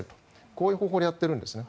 こういう方法でやっているんです。